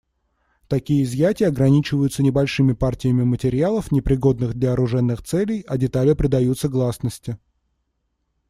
Такие изъятия ограничиваются небольшими партиями материалов, непригодных для оружейных целей, а детали предаются гласности.